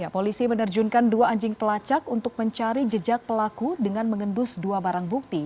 polisi menerjunkan dua anjing pelacak untuk mencari jejak pelaku dengan mengendus dua barang bukti